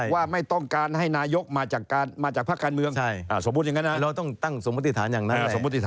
ว่าไม่ต้องการให้นายกมาจากภาคการเมืองเราต้องตั้งสมมุติฐานอย่างนั้น